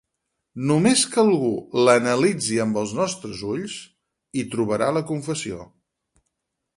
Només que algú l'analitzi amb els nostres ulls, hi trobarà la confessió.